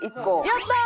やったー！